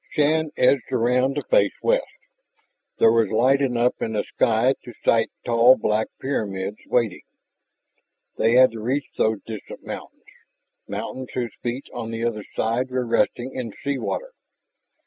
Shann edged around to face west. There was light enough in the sky to sight tall black pyramids waiting. They had to reach those distant mountains, mountains whose feet on the other side were resting in sea water.